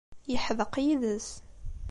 Yeḥdeq yid-s.